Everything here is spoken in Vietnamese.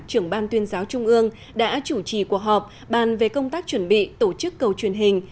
trưởng ban tuyên giáo trung ương đã chủ trì cuộc họp bàn về công tác chuẩn bị tổ chức cầu truyền hình